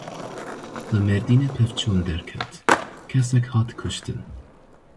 Li Mêrdînê pevçûn derket, kesek hat kuştin.